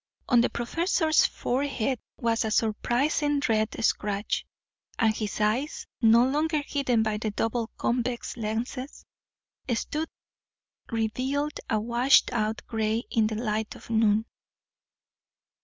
On the professor's forehead was a surprising red scratch, and his eyes, no longer hidden by the double convex lenses, stood revealed a washed out gray in the light of noon.